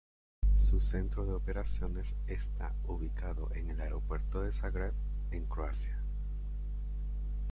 Su centro de operaciones está ubicado en el aeropuerto de Zagreb, en Croacia.